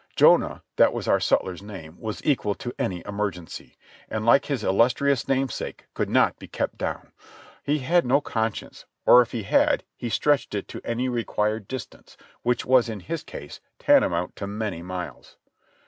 Jonah, that was our sutler's name, was equal to any emergency, and like his illustrious name sake, could not be kept down ; he had no conscience, or if he had he stretched it to any required distance, which was in his case tanta mount to many miles.